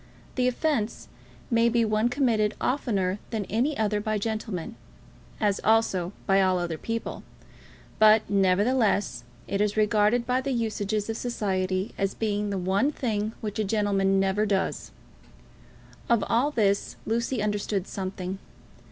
The offence may be one committed oftener than any other by gentlemen, as also by all other people; but, nevertheless, it is regarded by the usages of society as being the one thing which a gentleman never does. Of all this Lucy understood something.